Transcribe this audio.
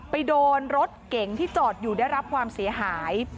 โดนรถเก๋งที่จอดอยู่ได้รับความเสียหาย